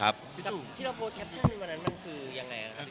ที่เราโพสต์แคปชั่นในวันนั้นมันคือยังไงครับ